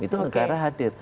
itu negara hadir